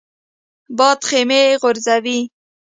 باد خیمې غورځوي